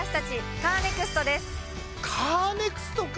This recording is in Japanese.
カーネクストか！